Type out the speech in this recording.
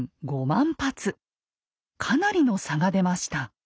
かなりの差が出ました。